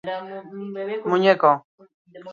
Irudi hau erraz ager liteke Europako edozein egunkaritan.